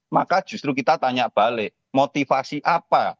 maka justru kita tanya balik motivasi apa